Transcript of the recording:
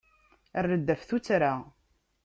Err-d ɣef tuttra.